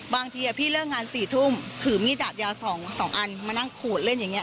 บางทีพี่เลิกงาน๔ทุ่มถือมีดดาบยาว๒อันมานั่งขูดเล่นอย่างนี้